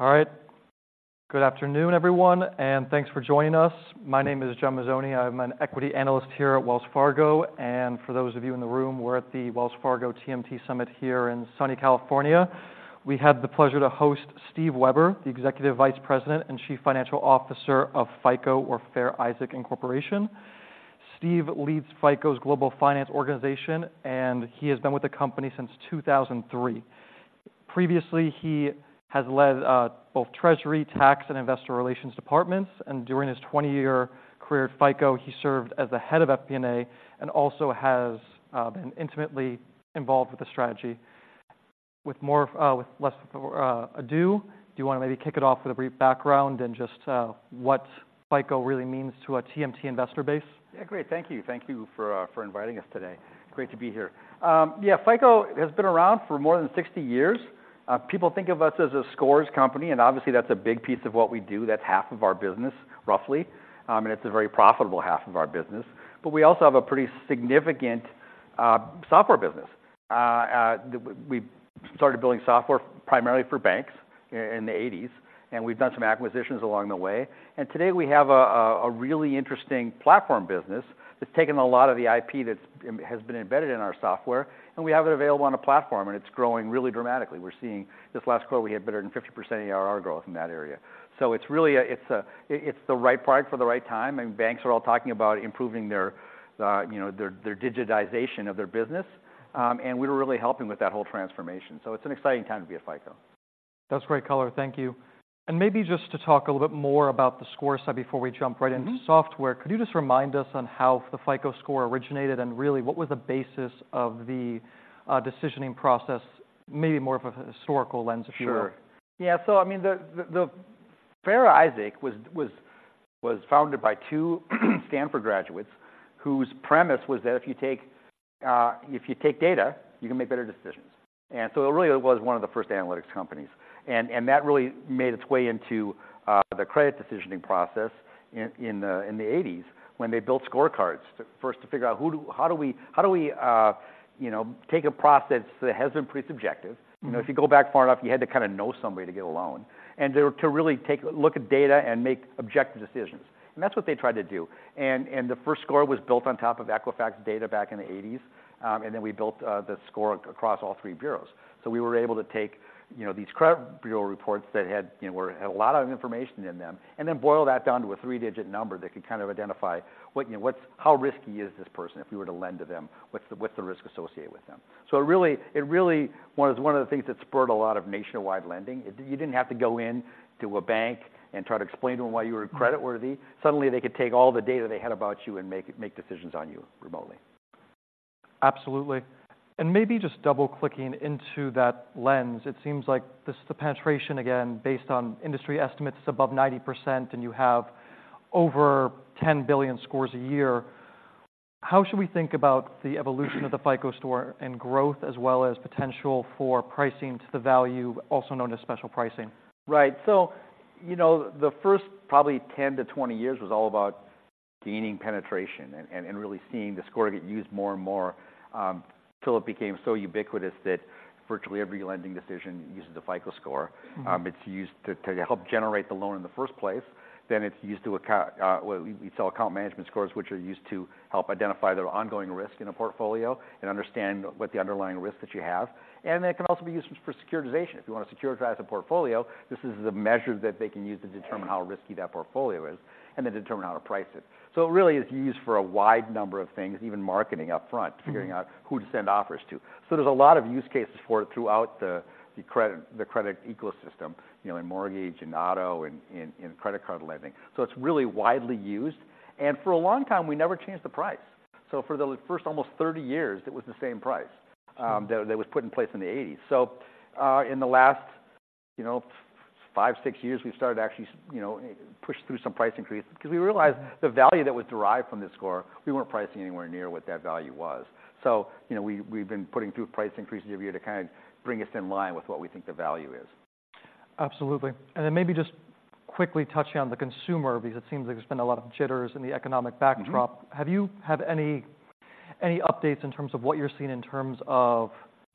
All right. Good afternoon, everyone, and thanks for joining us. My name is John Mazzone. I'm an equity analyst here at Wells Fargo, and for those of you in the room, we're at the Wells Fargo TMT Summit here in sunny California. We have the pleasure to host Steve Weber, the Executive Vice President and Chief Financial Officer of FICO, or Fair Isaac Corporation. Steve leads FICO's global finance organization, and he has been with the company since 2003. Previously, he has led both treasury, tax, and investor relations departments, and during his 20-year career at FICO, he served as the head of FP&A, and also has been intimately involved with the strategy. With less ado, do you wanna maybe kick it off with a brief background and just what FICO really means to a TMT investor base? Yeah, great. Thank you. Thank you for inviting us today. Great to be here. Yeah, FICO has been around for more than 60 years. People think of us as a scores company, and obviously that's a big piece of what we do. That's half of our business, roughly, and it's a very profitable half of our business, but we also have a pretty significant software business. We started building software primarily for banks in the 1980s, and we've done some acquisitions along the way, and today we have a really interesting platform business that's taken a lot of the IP that's has been embedded in our software, and we have it available on a platform, and it's growing really dramatically. We're seeing this last quarter, we had better than 50% ARR growth in that area. So it's really the right product for the right time, and banks are all talking about improving their, you know, their, their digitization of their business, and we're really helping with that whole transformation. So it's an exciting time to be at FICO. That's great color. Thank you. Maybe just to talk a little bit more about the score side before we jump right- Mm-hmm... into software. Could you just remind us on how the FICO Score originated, and really, what was the basis of the decisioning process? Maybe more of a historical lens, if you will. Sure. Yeah, so I mean, the Fair Isaac was founded by two Stanford graduates, whose premise was that if you take data, you can make better decisions. And so it really was one of the first analytics companies, and that really made its way into the credit decisioning process in the eighties, when they built scorecards to first figure out how do we, you know, take a process that has been pretty subjective- Mm-hmm... you know, if you go back far enough, you had to kinda know somebody to get a loan, and to really take a look at data and make objective decisions, and that's what they tried to do. And the first score was built on top of Equifax data back in the eighties, and then we built the score across all three bureaus. So we were able to take, you know, these credit bureau reports that had, you know, had a lot of information in them, and then boil that down to a three-digit number that could kind of identify what, you know, how risky is this person if we were to lend to them? What's the risk associated with them? So it really was one of the things that spurred a lot of nationwide lending. You didn't have to go in to a bank and try to explain to them why you were creditworthy. Mm-hmm. Suddenly, they could take all the data they had about you and make decisions on you remotely. Absolutely. And maybe just double-clicking into that lens, it seems like this, the penetration, again, based on industry estimates, is above 90%, and you have over 10 billion scores a year. How should we think about the evolution of the FICO Score and growth, as well as potential for pricing to the value, also known as special pricing? Right. So, you know, the first probably 10-20 years was all about gaining penetration and really seeing the score get used more and more till it became so ubiquitous that virtually every lending decision uses the FICO Score. Mm-hmm. It's used to help generate the loan in the first place, then it's used to, well, we sell account management scores, which are used to help identify the ongoing risk in a portfolio and understand what the underlying risk that you have. And they can also be used for securitization. If you want to securitize a portfolio, this is the measure that they can use to determine how risky that portfolio is, and then determine how to price it. So it really is used for a wide number of things, even marketing upfront- Mm-hmm... figuring out who to send offers to. So there's a lot of use cases for it throughout the credit ecosystem, you know, in mortgage, in auto, and in credit card lending. So it's really widely used, and for a long time, we never changed the price. So for the first almost 30 years, it was the same price- Mm-hmm... that was put in place in the eighties. So, in the last, you know, five, six years, we've started to actually, you know, push through some price increases. Because we realized the value that was derived from this score, we weren't pricing anywhere near what that value was. So, you know, we, we've been putting through price increases every year to kind of bring us in line with what we think the value is. Absolutely. And then maybe just quickly touching on the consumer, because it seems like there's been a lot of jitters in the economic backdrop. Mm-hmm. Have you had any updates in terms of what you're seeing in terms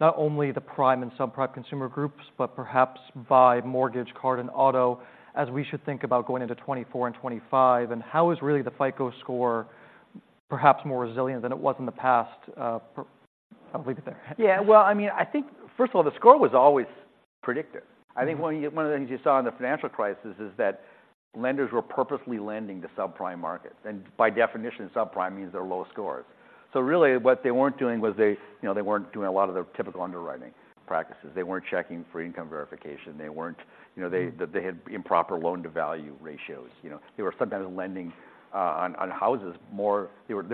of not only the prime and subprime consumer groups, but perhaps by mortgage, card, and auto, as we should think about going into 2024 and 2025? And how is really the FICO Score perhaps more resilient than it was in the past? I'll leave it there. Yeah. Well, I mean, I think, first of all, the score was always predictive. Mm-hmm. I think one of the things you saw in the financial crisis is that lenders were purposely lending to subprime markets, and by definition, subprime means they're low scores. So really, what they weren't doing was they, you know, they weren't doing a lot of the typical underwriting practices. They weren't checking for income verification. They weren't- Mm-hmm. You know, they had improper loan-to-value ratios. You know, they were sometimes lending on houses more than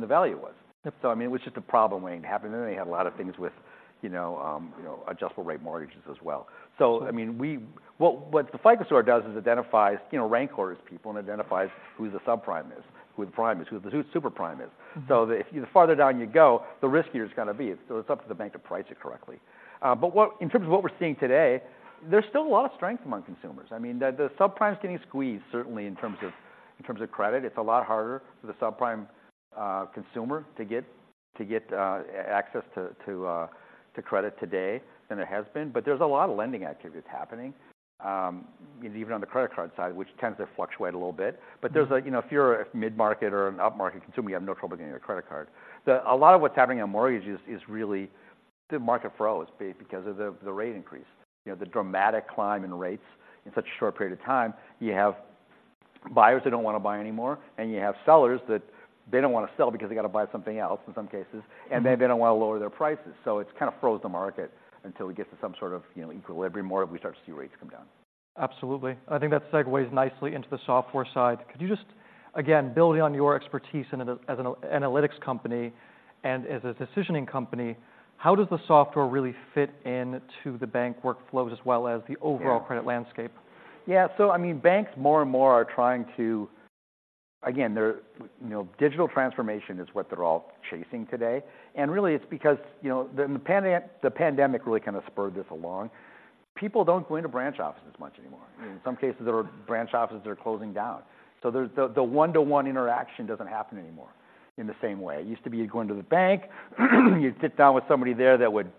the value was. Yep. So I mean, it was just a problem waiting to happen, and they had a lot of things with, you know, you know, adjustable rate mortgages as well. Mm-hmm. So I mean, what the FICO Score does is identifies, you know, rank orders people and identifies who the subprime is, who the prime is, who the, who super prime is. Mm-hmm. So if the farther down you go, the riskier it's gonna be. So it's up to the bank to price it correctly. But what in terms of what we're seeing today, there's still a lot of strength among consumers. I mean, the subprime is getting squeezed, certainly, in terms of credit, it's a lot harder for the subprime consumer to get access to credit today than there has been. But there's a lot of lending activities happening, even on the credit card side, which tends to fluctuate a little bit. But there's a, you know, if you're a mid-market or an upmarket consumer, you have no trouble getting a credit card. A lot of what's happening on mortgages is really the market froze because of the rate increase. You know, the dramatic climb in rates in such a short period of time, you have buyers that don't wanna buy anymore, and you have sellers that they don't wanna sell because they gotta buy something else, in some cases, and they don't wanna lower their prices. So it's kind of froze the market until we get to some sort of, you know, equilibrium, or if we start to see rates come down. Absolutely. I think that segues nicely into the software side. Could you just, again, building on your expertise in as an analytics company and as a decisioning company, how does the software really fit into the bank workflows, as well as the overall- Yeah... credit landscape? Yeah. So I mean, banks more and more are trying to... Again, they're, you know, digital transformation is what they're all chasing today. And really, it's because, you know, then the pandemic really kind of spurred this along. People don't go into branch offices much anymore. Mm-hmm. In some cases, there are branch offices that are closing down. So there's the one-to-one interaction doesn't happen anymore in the same way. It used to be you go into the bank, you'd sit down with somebody there that would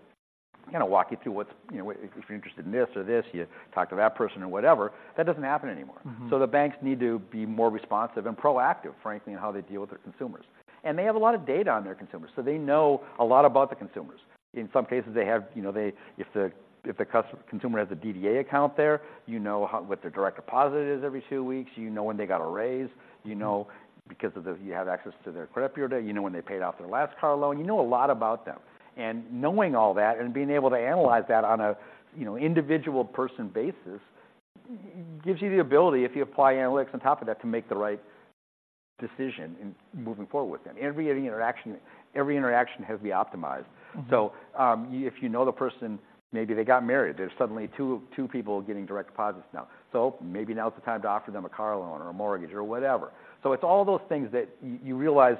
kind of walk you through what's, you know, if you're interested in this or this, you talk to that person or whatever. That doesn't happen anymore. Mm-hmm. So the banks need to be more responsive and proactive, frankly, in how they deal with their consumers. They have a lot of data on their consumers, so they know a lot about the consumers. In some cases, they have, you know, if the consumer has a DDA account there, you know what their direct deposit is every two weeks, you know when they got a raise, you know because you have access to their credit bureau data, you know when they paid off their last car loan. You know a lot about them. Knowing all that and being able to analyze that on a, you know, individual person basis, gives you the ability, if you apply analytics on top of that, to make the right decision in moving forward with them. Every interaction has to be optimized. Mm-hmm. So, if you know the person, maybe they got married, there's suddenly two, two people getting direct deposits now. So maybe now is the time to offer them a car loan or a mortgage or whatever. So it's all those things that you realize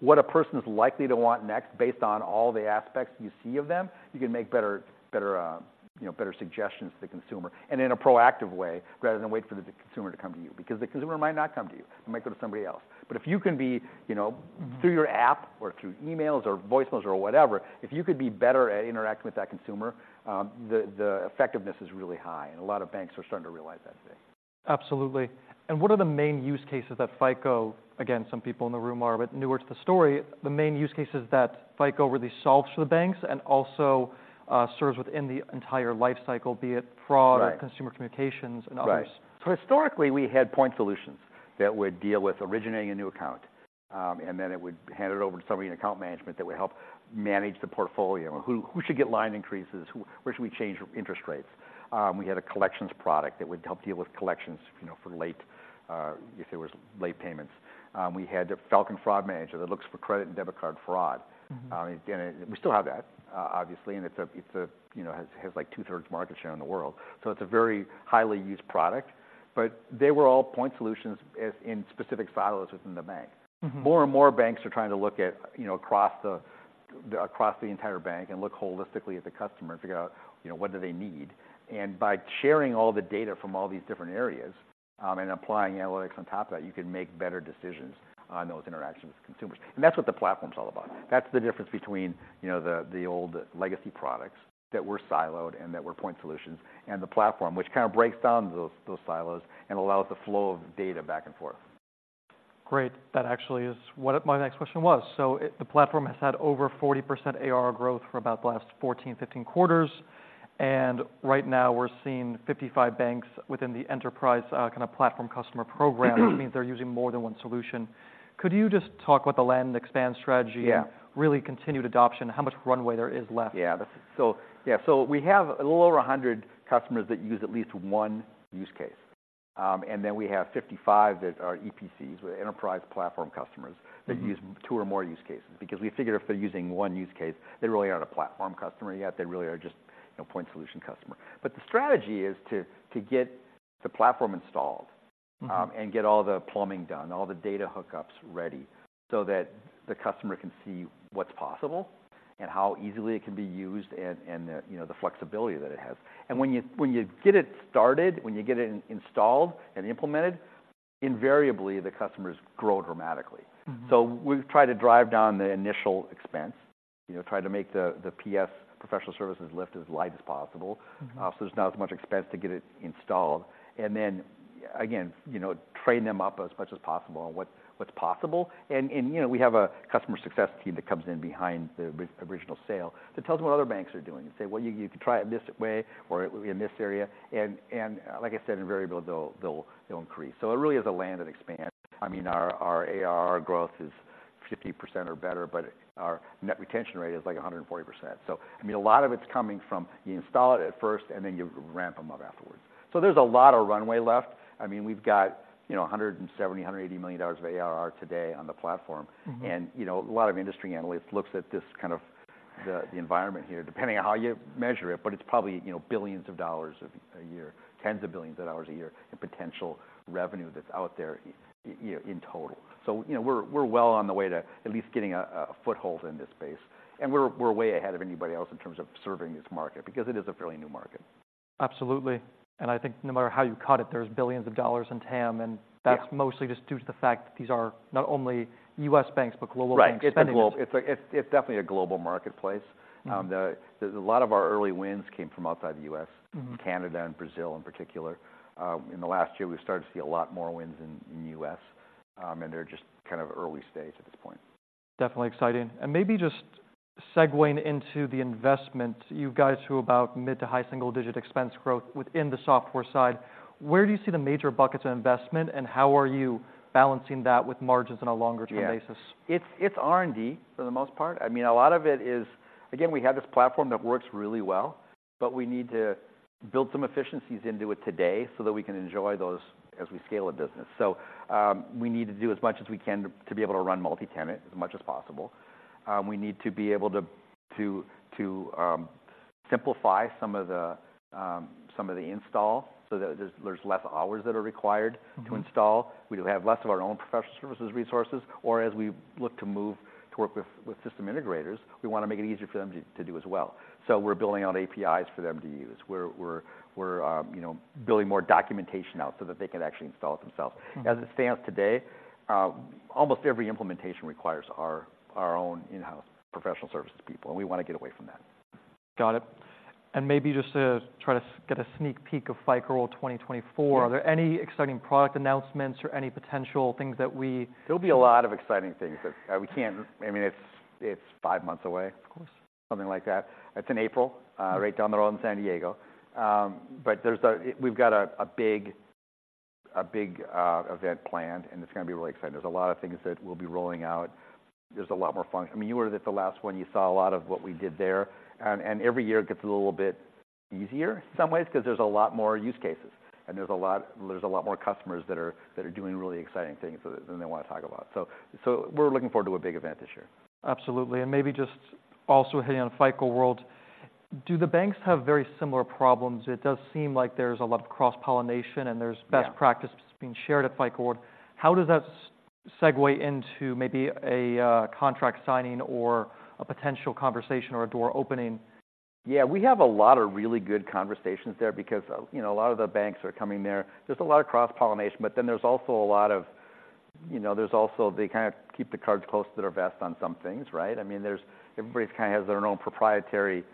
what a person is likely to want next, based on all the aspects you see of them. You can make better, better, you know, better suggestions to the consumer, and in a proactive way, rather than wait for the consumer to come to you. Because the consumer might not come to you, they might go to somebody else. But if you can be, you know, through your app or through emails or voicemails or whatever, if you could be better at interacting with that consumer, the effectiveness is really high, and a lot of banks are starting to realize that today. Absolutely. And what are the main use cases that FICO... Again, some people in the room are a bit newer to the story, the main use cases that FICO really solves for the banks and also serves within the entire life cycle, be it fraud- Right... consumer communications, and others? Right. So historically, we had point solutions that would deal with originating a new account, and then it would hand it over to somebody in account management that would help manage the portfolio. Who should get line increases? Where should we change interest rates? We had a collections product that would help deal with collections, you know, for late, if there was late payments. We had the Falcon Fraud Manager that looks for credit and debit card fraud. Mm-hmm. and we still have that, obviously, and it's a, you know, has like two-thirds market share in the world, so it's a very highly used product. But they were all point solutions as in specific silos within the bank. Mm-hmm. More and more banks are trying to look at, you know, across the, across the entire bank and look holistically at the customer and figure out, you know, what do they need. And by sharing all the data from all these different areas, and applying analytics on top of that, you can make better decisions on those interactions with consumers. And that's what the platform is all about. That's the difference between, you know, the, the old legacy products that were siloed and that were point solutions, and the platform, which kind of breaks down those, those silos and allows the flow of data back and forth. Great. That actually is what my next question was. So, the platform has had over 40% ARR growth for about the last 14, 15 quarters, and right now we're seeing 55 banks within the enterprise kind of platform customer program—which means they're using more than one solution. Could you just talk about the land and expand strategy- Yeah... and really continued adoption, how much runway there is left? Yeah, that's it. So yeah, so we have a little over 100 customers that use at least one use case. And then we have 55 that are EPCs, enterprise platform customers- Mm-hmm... that use two or more use cases. Because we figure if they're using one use case, they really aren't a platform customer yet. They really are just, you know, point solution customer. But the strategy is to, to get the platform installed- Mm-hmm... and get all the plumbing done, all the data hookups ready, so that the customer can see what's possible and how easily it can be used, and the, you know, the flexibility that it has. And when you get it started, when you get it installed and implemented, invariably, the customers grow dramatically. Mm-hmm. We've tried to drive down the initial expense, you know, tried to make the PS, professional services, lift as light as possible. Mm-hmm. So there's not as much expense to get it installed. And then, again, you know, train them up as much as possible on what's possible. And you know, we have a customer success team that comes in behind the original sale, that tells them what other banks are doing, and say, "Well, you could try it this way or in this area." And like I said, invariably they'll increase. So it really is a land and expand. I mean, our ARR growth is 50% or better, but our net retention rate is, like, 140%. So, I mean, a lot of it's coming from, you install it at first, and then you ramp them up afterwards. So there's a lot of runway left. I mean, we've got, you know, $170 million-$180 million of ARR today on the platform. Mm-hmm. You know, a lot of industry analysts look at this kind of the environment here, depending on how you measure it, but it's probably, you know, $ billions a year, tens of $ billions a year, in potential revenue that's out there year in, year out in total. You know, we're well on the way to at least getting a foothold in this space. And we're way ahead of anybody else in terms of serving this market, because it is a fairly new market.... Absolutely. And I think no matter how you cut it, there's billions of dollars in TAM, and- Yeah That's mostly just due to the fact that these are not only U.S. banks, but global banks. Right, it's definitely a global marketplace. Mm-hmm. There's a lot of our early wins came from outside the U.S. Mm-hmm. Canada and Brazil in particular. In the last year, we've started to see a lot more wins in the U.S., and they're just kind of early stage at this point. Definitely exciting. And maybe just segueing into the investment, you guys do about mid to high single-digit expense growth within the software side. Where do you see the major buckets of investment, and how are you balancing that with margins on a longer-term basis? Yeah. It's R&D, for the most part. I mean, a lot of it is... Again, we have this platform that works really well, but we need to build some efficiencies into it today so that we can enjoy those as we scale the business. So, we need to do as much as we can to be able to run multi-tenant as much as possible. We need to be able to simplify some of the install so that there's less hours that are required- Mm-hmm... to install. We have less of our own professional services resources, or as we look to move to work with system integrators, we wanna make it easier for them to do as well. So we're building out APIs for them to use. We're, you know, building more documentation out so that they can actually install it themselves. Mm-hmm. As it stands today, almost every implementation requires our own in-house professional services people, and we wanna get away from that. Got it. Maybe just to try to get a sneak peek of FICO World 2024- Yeah... are there any exciting product announcements or any potential things that we? There'll be a lot of exciting things that- Mm-hmm... we can't, I mean, it's, it's five months away. Of course. Something like that. It's in April, right down the road in San Diego. But there's a -- we've got a big event planned, and it's gonna be really exciting. There's a lot of things that we'll be rolling out. There's a lot more function... I mean, you were at the last one, you saw a lot of what we did there. And every year it gets a little bit easier in some ways, 'cause there's a lot more use cases, and there's a lot more customers that are doing really exciting things that they wanna talk about. So we're looking forward to a big event this year. Absolutely. And maybe just also hitting on FICO World, do the banks have very similar problems? It does seem like there's a lot of cross-pollination, and there's- Yeah... best practices being shared at FICO World. How does that segue into maybe a, contract signing or a potential conversation or a door opening? Yeah, we have a lot of really good conversations there because, you know, a lot of the banks are coming there. There's a lot of cross-pollination, but then there's also a lot of, you know, there's also... They kind of keep the cards close to their vest on some things, right? I mean, there's everybody kind of has their own proprietary,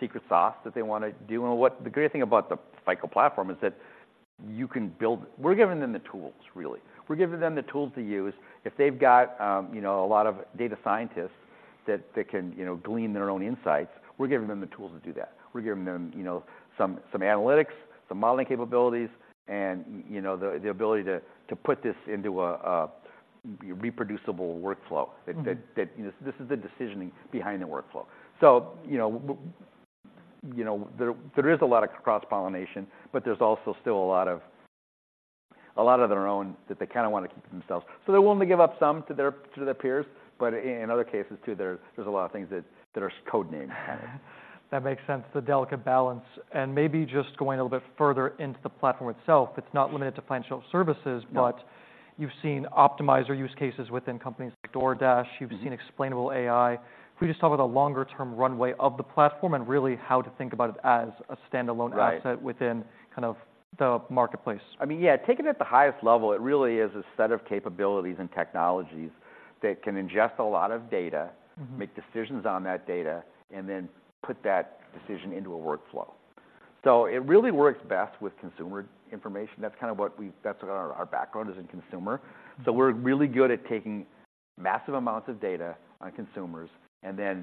secret sauce that they wanna do. And what the great thing about the FICO Platform is that you can build... We're giving them the tools, really. We're giving them the tools to use. If they've got, you know, a lot of data scientists that can, you know, glean their own insights, we're giving them the tools to do that. We're giving them, you know, some analytics, some modeling capabilities, and you know, the ability to put this into a reproducible workflow- Mm-hmm... that you know, this is the decisioning behind the workflow. So, you know, there is a lot of cross-pollination, but there's also still a lot of their own that they kinda wanna keep to themselves. So they're willing to give up some to their peers, but in other cases, too, there's a lot of things that are codenames. That makes sense, the delicate balance. And maybe just going a little bit further into the platform itself, it's not limited to financial services- No... but you've seen optimizer use cases within companies like DoorDash. Mm-hmm. You've seen explainable AI. Can we just talk about the longer term runway of the platform, and really how to think about it as a standalone asset? Right... within kind of the marketplace? I mean, yeah, taken at the highest level, it really is a set of capabilities and technologies that can ingest a lot of data- Mm-hmm... make decisions on that data, and then put that decision into a workflow. So it really works best with consumer information. That's kind of what we, that's what our, our background is in consumer. Mm-hmm. So we're really good at taking massive amounts of data on consumers, and then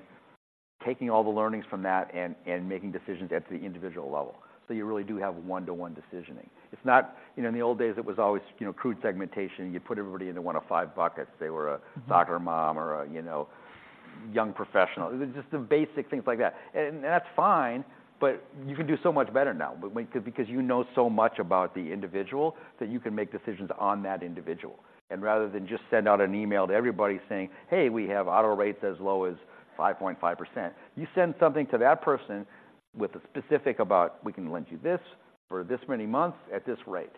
taking all the learnings from that and, and making decisions at the individual level. So you really do have one-to-one decisioning. It's not... You know, in the old days it was always, you know, crude segmentation. You put everybody into one of five buckets. They were a- Mm-hmm... soccer mom or a, you know, young professional. Just the basic things like that. And, and that's fine, but you can do so much better now, because you know so much about the individual, that you can make decisions on that individual. And rather than just send out an email to everybody saying, "Hey, we have auto rates as low as 5.5%," you send something to that person with a specific about, "We can lend you this for this many months at this rate,"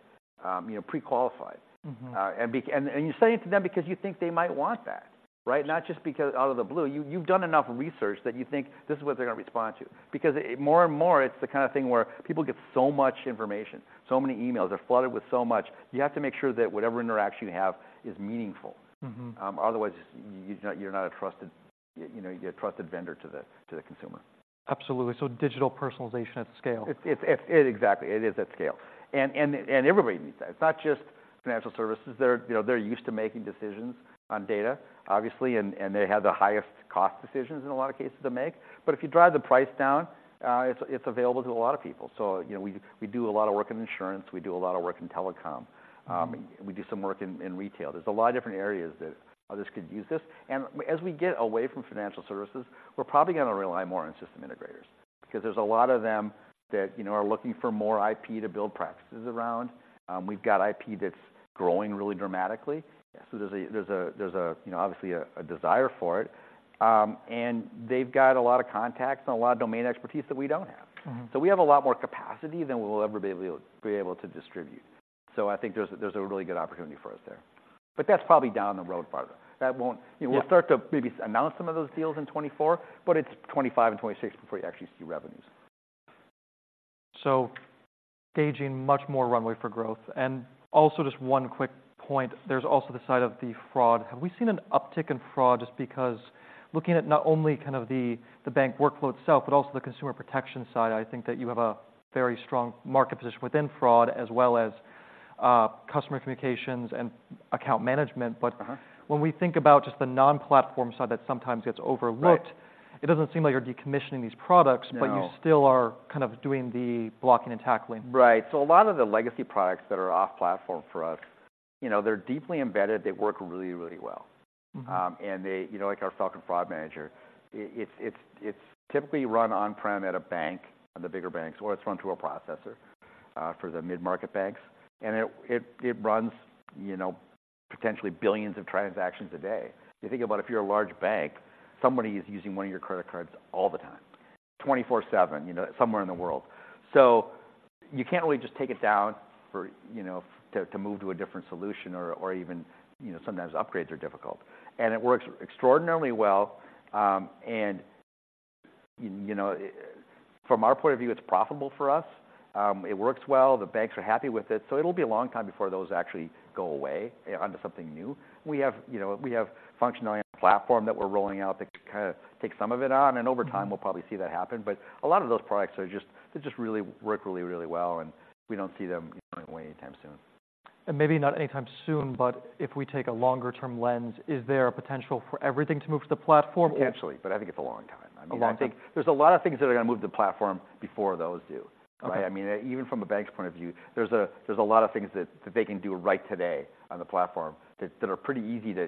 you know, pre-qualified. Mm-hmm. And you're saying it to them because you think they might want that, right? Not just because out of the blue. You've done enough research that you think this is what they're gonna respond to. Because more and more, it's the kind of thing where people get so much information, so many emails, they're flooded with so much, you have to make sure that whatever interaction you have is meaningful. Mm-hmm. Otherwise, you're not, you're not a trusted, you know, you're a trusted vendor to the, to the consumer. Absolutely. So digital personalization at scale. It's exactly it is at scale. And everybody needs that. It's not just financial services. They're, you know, they're used to making decisions on data, obviously, and they have the highest cost decisions in a lot of cases to make. But if you drive the price down, it's available to a lot of people. So, you know, we do a lot of work in insurance, we do a lot of work in telecom. Mm-hmm... we do some work in, in retail. There's a lot of different areas that others could use this. And as we get away from financial services, we're probably gonna rely more on system integrators, because there's a lot of them that, you know, are looking for more IP to build practices around. We've got IP that's growing really dramatically, so there's obviously a desire for it. And they've got a lot of contacts and a lot of domain expertise that we don't have. Mm-hmm. So we have a lot more capacity than we will ever be able to distribute.... So I think there's a really good opportunity for us there. But that's probably down the road farther. That won't- Yeah. We'll start to maybe announce some of those deals in 2024, but it's 2025 and 2026 before you actually see revenues. So staging much more runway for growth. And also, just one quick point, there's also the side of the fraud. Have we seen an uptick in fraud? Just because looking at not only kind of the bank workflow itself, but also the consumer protection side, I think that you have a very strong market position within fraud, as well as, customer communications and account management, but- Uh-huh. When we think about just the non-platform side, that sometimes gets overlooked- Right. It doesn't seem like you're decommissioning these products- No... but you still are kind of doing the blocking and tackling. Right. So a lot of the legacy products that are off-platform for us, you know, they're deeply embedded, they work really, really well. Mm-hmm. And they, you know, like our Falcon Fraud Manager, it's typically run on-prem at a bank, on the bigger banks, or it's run through a processor for the mid-market banks. And it runs, you know, potentially billions of transactions a day. If you think about it, if you're a large bank, somebody is using one of your credit cards all the time, 24/7, you know, somewhere in the world. So you can't really just take it down for, you know, to move to a different solution or even. You know, sometimes upgrades are difficult. And it works extraordinarily well, and you know from our point of view, it's profitable for us. It works well, the banks are happy with it, so it'll be a long time before those actually go away onto something new. We have, you know, we have functionality on the platform that we're rolling out that kind of takes some of it on, and over time... Mm-hmm... we'll probably see that happen. But a lot of those products are just—they just really work really, really well, and we don't see them going away anytime soon. Maybe not anytime soon, but if we take a longer term lens, is there a potential for everything to move to the platform? Potentially, but I think it's a long time. A long time. I mean, I think there's a lot of things that are gonna move to the platform before those do. Okay. Right? I mean, even from a bank's point of view, there's a lot of things that they can do right today on the platform, that are pretty easy to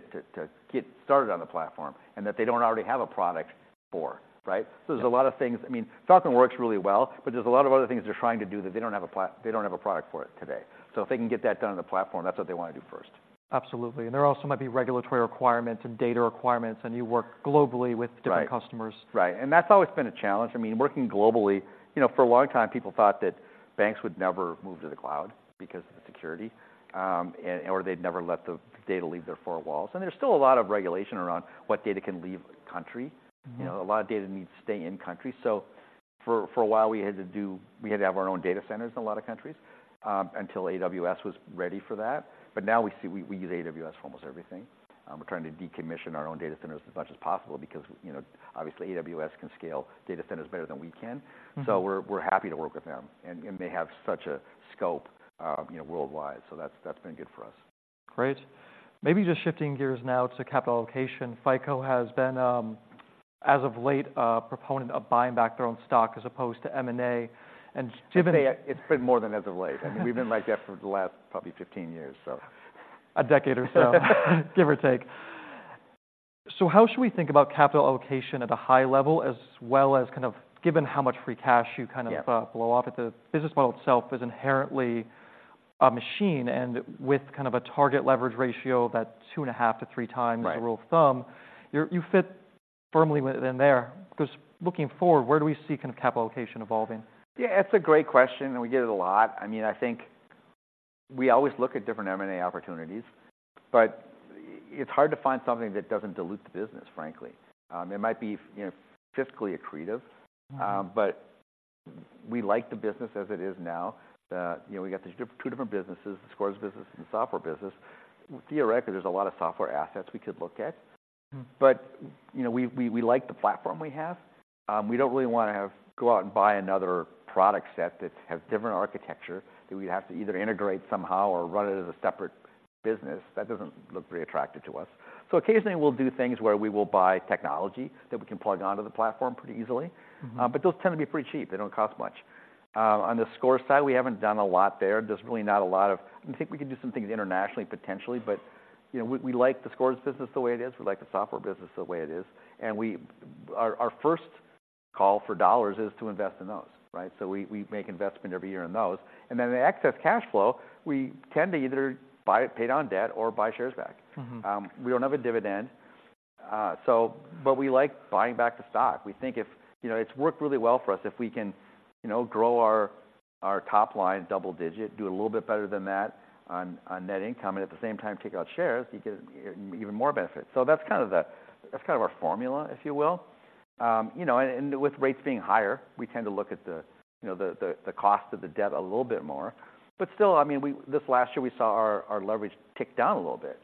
get started on the platform, and that they don't already have a product for, right? Yeah. So there's a lot of things. I mean, Falcon works really well, but there's a lot of other things they're trying to do that they don't have a product for it today. So if they can get that done on the platform, that's what they wanna do first. Absolutely. And there also might be regulatory requirements and data requirements, and you work globally with- Right... different customers. Right. And that's always been a challenge. I mean, working globally, you know, for a long time, people thought that banks would never move to the cloud because of the security. Or they'd never let the data leave their four walls. And there's still a lot of regulation around what data can leave the country. Mm-hmm. You know, a lot of data needs to stay in country. So for a while, we had to have our own data centers in a lot of countries until AWS was ready for that. But now we use AWS for almost everything. We're trying to decommission our own data centers as much as possible because, you know, obviously, AWS can scale data centers better than we can. Mm-hmm. So we're happy to work with them, and they have such a scope, you know, worldwide, so that's been good for us. Great. Maybe just shifting gears now to capital allocation. FICO has been, as of late, a proponent of buying back their own stock as opposed to M&A. And given- I'd say it's been more than as of late. I mean, we've been like that for the last probably 15 years, so. A decade or so. Give or take. So how should we think about capital allocation at a high level, as well as kind of... Given how much free cash you kind of- Yeah ...blow off, the business model itself is inherently a machine, and with kind of a target leverage ratio of about 2.5-3 times- Right... as a rule of thumb, you fit firmly within there. Just looking forward, where do we see kind of capital allocation evolving? Yeah, it's a great question, and we get it a lot. I mean, I think we always look at different M&A opportunities, but it's hard to find something that doesn't dilute the business, frankly. It might be, you know, fiscally accretive- Mm-hmm... but we like the business as it is now. You know, we got two different businesses: the scores business and the software business. Theoretically, there's a lot of software assets we could look at. Mm. But, you know, we like the platform we have. We don't really wanna go out and buy another product set that has different architecture, that we'd have to either integrate somehow or run it as a separate business. That doesn't look very attractive to us. So occasionally we'll do things where we will buy technology that we can plug onto the platform pretty easily. Mm-hmm. But those tend to be pretty cheap. They don't cost much. On the score side, we haven't done a lot there. There's really not a lot of... We think we can do some things internationally, potentially, but, you know, we, we like the scores business the way it is, we like the software business the way it is, and we- our, our first call for dollars is to invest in those, right? So we, we make investment every year in those, and then the excess cash flow, we tend to either buy- pay down debt or buy shares back. Mm-hmm. We don't have a dividend, so... But we like buying back the stock. We think you know, it's worked really well for us. If we can, you know, grow our top line double digit, do a little bit better than that on net income, and at the same time, take out shares, you get even more benefit. So that's kind of our formula, if you will. You know, and with rates being higher, we tend to look at you know, the cost of the debt a little bit more. But still, I mean, this last year, we saw our leverage tick down a little bit,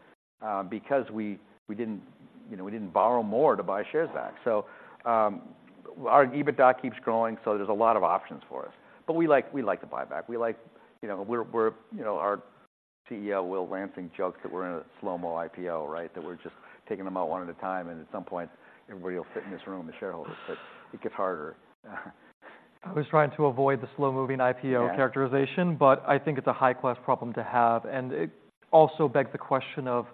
because we didn't, you know, we didn't borrow more to buy shares back. So, our EBITDA keeps growing, so there's a lot of options for us. But we like to buy back. You know, our CEO, Will Lansing, jokes that we're in a slow-mo IPO, right? That we're just taking them out one at a time, and at some point, everybody will fit in this room, the shareholders, but it gets harder. I was trying to avoid the slow-moving IPO- Yeah... characterization, but I think it's a high-class problem to have. And it also begs the question of,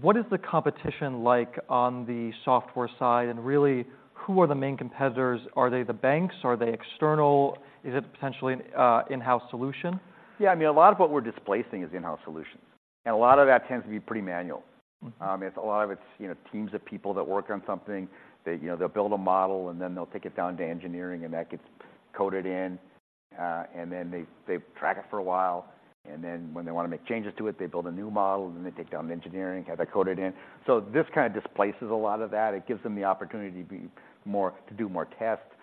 what is the competition like on the software side? And really, who are the main competitors? Are they the banks? Are they external? Is it potentially an in-house solution? Yeah, I mean, a lot of what we're displacing is in-house solutions. A lot of that tends to be pretty manual. Mm-hmm. It's a lot of it's, you know, teams of people that work on something. They, you know, they'll build a model, and then they'll take it down to engineering, and that gets coded in. And then they track it for a while, and then when they wanna make changes to it, they build a new model, and then they take down engineering, have that coded in. So this kind of displaces a lot of that. It gives them the opportunity to be more, to do more tests, and,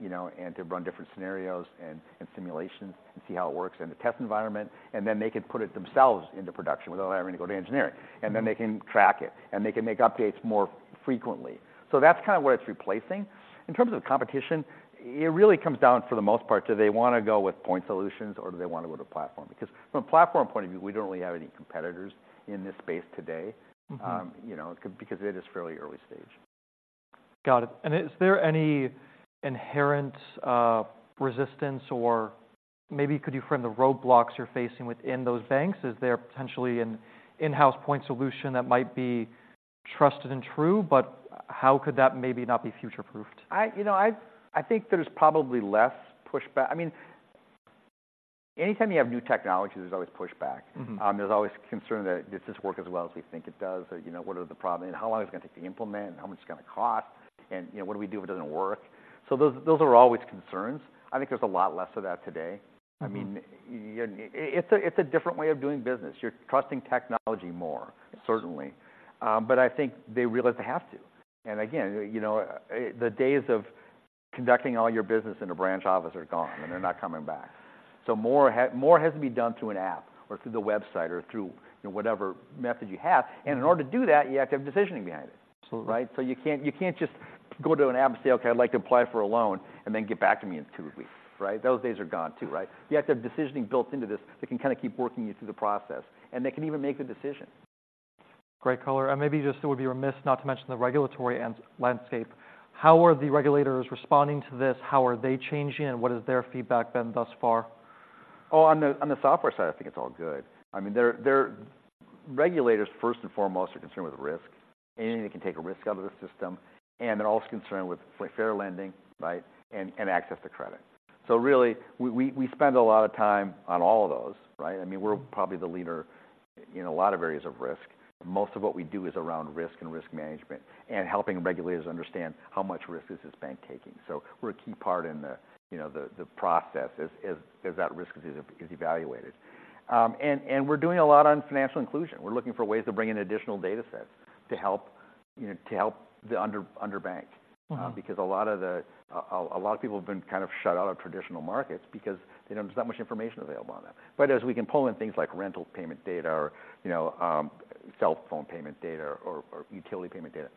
you know, and to run different scenarios and simulations and see how it works in the test environment. And then they can put it themselves into production without having to go to engineering. Mm-hmm. They can track it, and they can make updates more frequently. That's kind of what it's replacing. In terms of competition, it really comes down, for the most part, do they wanna go with point solutions or do they wanna go to platform? Because from a platform point of view, we don't really have any competitors in this space today. Mm-hmm. You know, because it is fairly early stage. Got it. Is there any inherent resistance, or maybe could you frame the roadblocks you're facing within those banks? Is there potentially an in-house point solution that might be trusted and true, but how could that maybe not be future-proofed? You know, I think there's probably less pushback. I mean, anytime you have new technology, there's always pushback. Mm-hmm. There's always concern that, does this work as well as we think it does? Or, you know, what are the problems, and how long is it gonna take to implement, and how much it's gonna cost? And, you know, what do we do if it doesn't work? So those, those are always concerns. I think there's a lot less of that today. Mm-hmm. I mean, it's a different way of doing business. You're trusting technology more, certainly. But I think they realize they have to. And again, you know, the days of conducting all your business in a branch office are gone, and they're not coming back. So more has to be done through an app or through the website or through, you know, whatever method you have. And in order to do that, you have to have decisioning behind it. Absolutely. Right? So you can't, you can't just go to an app and say, "Okay, I'd like to apply for a loan," and then, "Get back to me in 2 weeks," right? Those days are gone, too, right? You have to have decisioning built into this that can kinda keep walking you through the process, and they can even make the decision. Great call. Maybe just, it would be remiss not to mention the regulatory landscape. How are the regulators responding to this? How are they changing, and what has their feedback been thus far? Oh, on the software side, I think it's all good. I mean, regulators, first and foremost, are concerned with risk, anything that can take a risk out of the system, and they're also concerned with fair lending, right? And access to credit. So really, we spend a lot of time on all of those, right? I mean, we're probably the leader in a lot of areas of risk. Most of what we do is around risk and risk management, and helping regulators understand how much risk is this bank taking. So we're a key part in the, you know, the process as that risk is evaluated. And we're doing a lot on financial inclusion. We're looking for ways to bring in additional data sets to help, you know, to help the underbanked. Mm-hmm. Because a lot of people have been kind of shut out of traditional markets because they don't... There's not much information available on that. But as we can pull in things like rental payment data or, you know, cell phone payment data or utility payment data,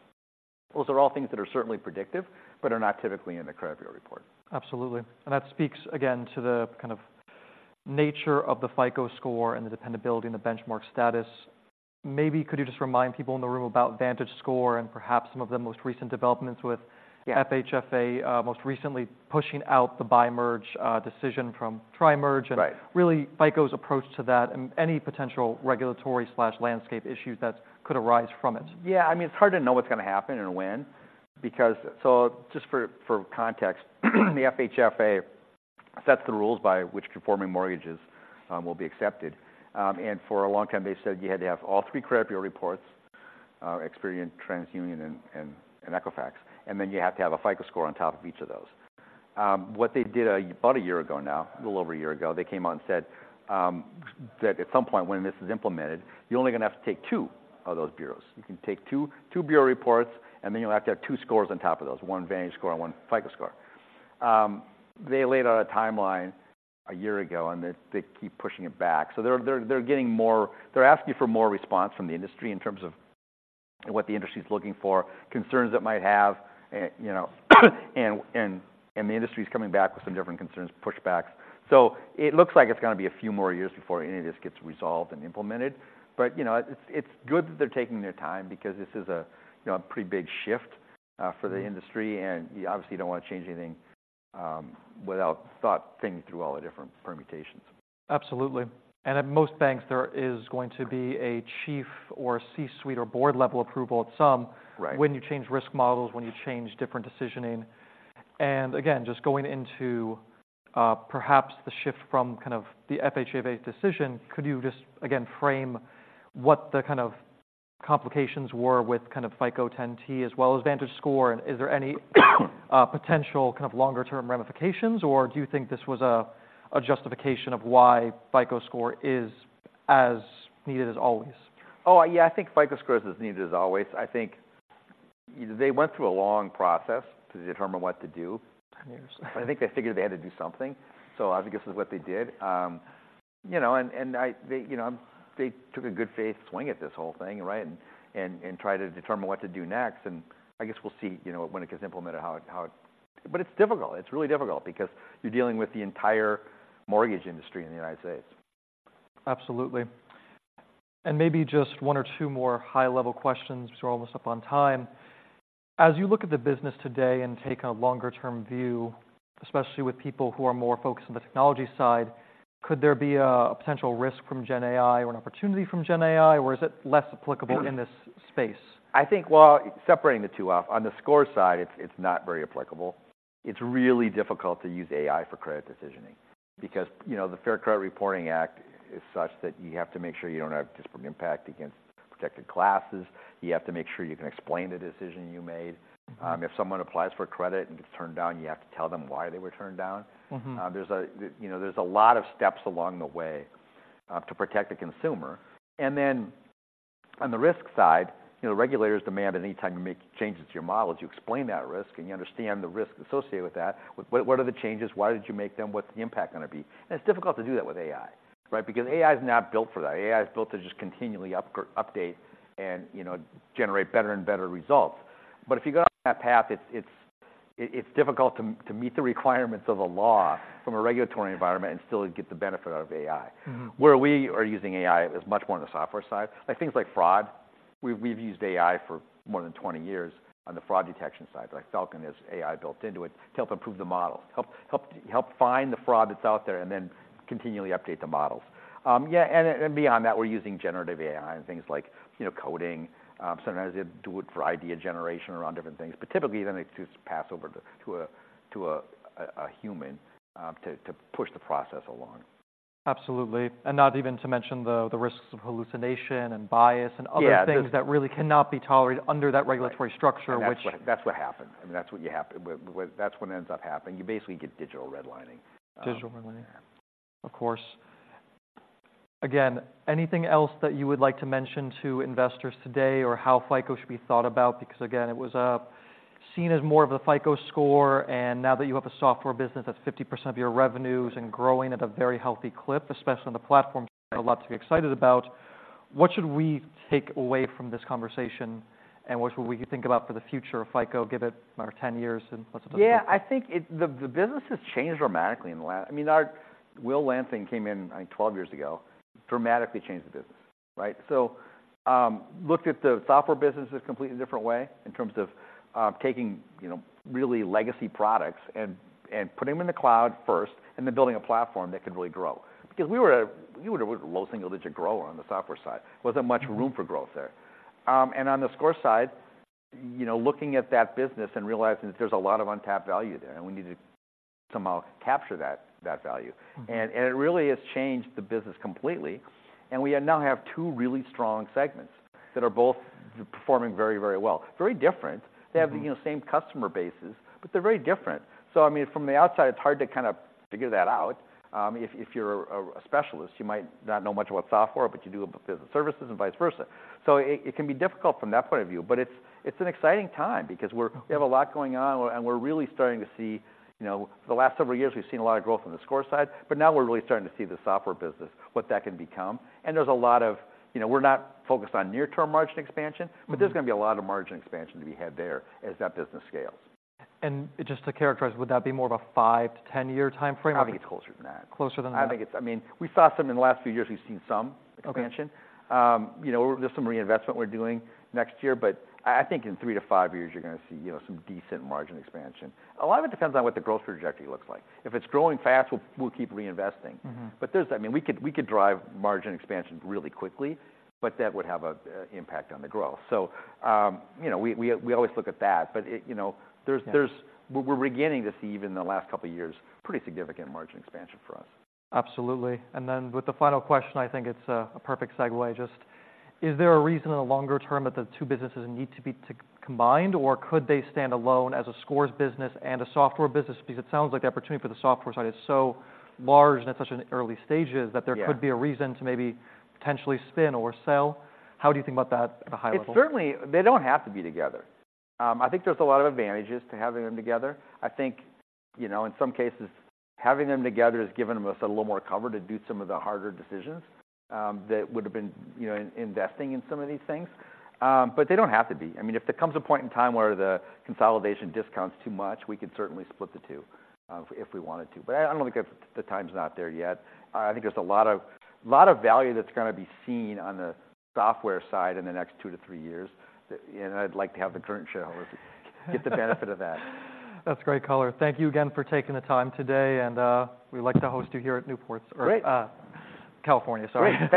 those are all things that are certainly predictive, but are not typically in a credit bureau report. Absolutely. And that speaks again to the kind of nature of the FICO Score and the dependability and the benchmark status. Maybe could you just remind people in the room about VantageScore and perhaps some of the most recent developments with-? Yeah... FHFA, most recently pushing out the bi-merge, decision from tri-merge? Right. Really, FICO's approach to that and any potential regulatory landscape issues that could arise from it. Yeah, I mean, it's hard to know what's gonna happen and when because... So just for context, the FHFA sets the rules by which conforming mortgages will be accepted. And for a long time, they said you had to have all three credit bureau reports, Experian, TransUnion, and Equifax, and then you have to have a FICO Score on top of each of those. What they did about a year ago now, a little over a year ago, they came out and said that at some point when this is implemented, you're only gonna have to take two of those bureaus. You can take two bureau reports, and then you'll have to have two scores on top of those, one VantageScore and one FICO Score. They laid out a timeline a year ago, and they keep pushing it back. So they're getting more—they're asking for more response from the industry in terms of what the industry is looking for, concerns they might have, you know, and the industry's coming back with some different concerns, pushbacks. So it looks like it's gonna be a few more years before any of this gets resolved and implemented. But, you know, it's good that they're taking their time because this is a, you know, a pretty big shift, for the industry, and you obviously don't want to change anything, without thought, thinking through all the different permutations. Absolutely. At most banks, there is going to be a chief or a C-suite or board-level approval at some- Right... when you change risk models, when you change different decisioning. And again, just going into, perhaps the shift from kind of the FHFA decision, could you just, again, frame what the kind of complications were with kind of FICO 10T as well as VantageScore? And is there any, potential kind of longer-term ramifications, or do you think this was a justification of why FICO Score is as needed as always? Oh, yeah, I think FICO Score is as needed as always. I think they went through a long process to determine what to do. Ten years. I think they figured they had to do something, so obviously, this is what they did. You know, and they, you know, they took a good faith swing at this whole thing, right? And tried to determine what to do next, and I guess we'll see, you know, when it gets implemented, how it... But it's difficult. It's really difficult because you're dealing with the entire mortgage industry in the United States. Absolutely. And maybe just one or two more high-level questions, because we're almost up on time. As you look at the business today and take a longer-term view, especially with people who are more focused on the technology side, could there be a potential risk from gen AI or an opportunity from gen AI, or is it less applicable in this space? I think, well, separating the two up, on the score side, it's, it's not very applicable. It's really difficult to use AI for credit decisioning because, you know, the Fair Credit Reporting Act is such that you have to make sure you don't have disparate impact against protected classes. You have to make sure you can explain the decision you made. Mm-hmm. If someone applies for credit and gets turned down, you have to tell them why they were turned down. Mm-hmm. You know, there's a lot of steps along the way to protect the consumer. And then on the risk side, you know, regulators demand that any time you make changes to your models, you explain that risk, and you understand the risk associated with that. What are the changes? Why did you make them? What's the impact gonna be? And it's difficult to do that with AI, right? Because AI is not built for that. AI is built to just continually update and, you know, generate better and better results. But if you go down that path, it's difficult to meet the requirements of the law from a regulatory environment and still get the benefit out of AI. Mm-hmm. Where we are using AI is much more on the software side, like, things like fraud. We've used AI for more than 20 years on the fraud detection side. Like, Falcon has AI built into it to help improve the model, help find the fraud that's out there and then continually update the models. Yeah, and then, and beyond that, we're using generative AI and things like, you know, coding. Sometimes you do it for idea generation around different things, but typically, then it does pass over to a human to push the process along. Absolutely. And not even to mention the risks of hallucination and bias and other- Yeah, there's-... things that really cannot be tolerated under that regulatory structure, which- That's what, that's what happens. I mean, that's what you have. That's what ends up happening. You basically get digital redlining. Digital redlining. Of course. Again, anything else that you would like to mention to investors today or how FICO should be thought about? Because, again, it was seen as more of a FICO Score, and now that you have a software business, that's 50% of your revenues and growing at a very healthy clip, especially on the platform side, a lot to be excited about. What should we take away from this conversation, and what should we think about for the future of FICO, give it about 10 years and let's talk about it? Yeah. I think it... The business has changed dramatically in the last—I mean, our Will Lansing came in, I think, 12 years ago, dramatically changed the business, right? So, looked at the software business as a completely different way in terms of taking, you know, really legacy products and putting them in the cloud first, and then building a platform that could really grow. Because we were a low single-digit grower on the software side. Mm-hmm. Wasn't much room for growth there. On the score side, you know, looking at that business and realizing that there's a lot of untapped value there, and we need to somehow capture that value. Mm-hmm. And, it really has changed the business completely, and we now have two really strong segments that are both performing very, very well. Very different. Mm-hmm. They have, you know, same customer bases, but they're very different. So, I mean, from the outside, it's hard to kind of figure that out. If you're a specialist, you might not know much about software, but you do about the services and vice versa. So it can be difficult from that point of view, but it's an exciting time because we're- Mm-hmm... we have a lot going on, and we're really starting to see, you know, the last several years, we've seen a lot of growth on the score side, but now we're really starting to see the software business, what that can become. And there's a lot of... You know, we're not focused on near-term margin expansion- Mm-hmm... but there's gonna be a lot of margin expansion to be had there as that business scales. Just to characterize, would that be more of a 5-10-year timeframe? I think it's closer than that. Closer than that? I think it's... I mean, we saw some in the last few years, we've seen some- Okay... expansion. You know, there's some reinvestment we're doing next year, but I, I think in three to five years, you're gonna see, you know, some decent margin expansion. A lot of it depends on what the growth trajectory looks like. If it's growing fast, we'll, we'll keep reinvesting. Mm-hmm. But there's, I mean, we could drive margin expansion really quickly, but that would have an impact on the growth. So, you know, we always look at that. But it, you know, there's- Yeah... we're beginning to see, even in the last couple of years, pretty significant margin expansion for us. Absolutely. And then with the final question, I think it's a perfect segue. Just, is there a reason in the longer term that the two businesses need to be combined, or could they stand alone as a scores business and a software business? Because it sounds like the opportunity for the software side is so large and at such an early stages- Yeah... that there could be a reason to maybe potentially spin or sell. How do you think about that at a high level? It's certainly. They don't have to be together. I think there's a lot of advantages to having them together. I think, you know, in some cases, having them together has given us a little more cover to do some of the harder decisions, that would've been, you know, in investing in some of these things. But they don't have to be. I mean, if there comes a point in time where the consolidation discount's too much, we could certainly split the two, if we wanted to. But I don't think the time's not there yet. I think there's a lot of, lot of value that's gonna be seen on the software side in the next 2-3 years. That, you know, I'd like to have the current shareholders get the benefit of that. That's great color. Thank you again for taking the time today, and we'd like to host you here at Newport- Great ... or, California. Sorry.